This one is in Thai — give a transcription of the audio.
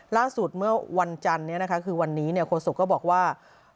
ล่าสุดเมื่อวันจันทร์คือวันนี้โฆษกก็บอกว่า